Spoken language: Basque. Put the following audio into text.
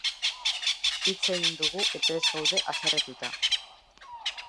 Hitz egin dugu eta ez gaude haserretuta.